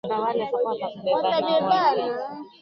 Polisi walipiga kambi usiku wa Ijumaa